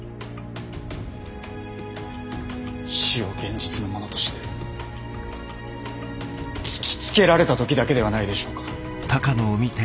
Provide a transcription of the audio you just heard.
死を現実のものとして突きつけられた時だけではないでしょうか？